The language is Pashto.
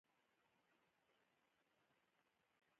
هغه یې بیا به … پسې نورو ټکو ته پرېنښود.